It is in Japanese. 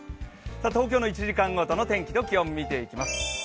東京の１時間ごとの気温と天気を見ていきます。